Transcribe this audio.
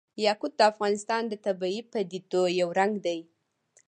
یاقوت د افغانستان د طبیعي پدیدو یو رنګ دی.